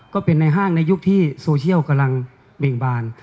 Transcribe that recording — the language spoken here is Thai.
ก็เป็นในห้างในยุคที่โซเชียลกำลังเบ่งบาน